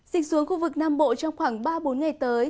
dịch xuống khu vực nam bộ trong khoảng ba bốn ngày tới